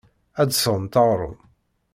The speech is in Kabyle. Ad d-tesɣemt aɣrum.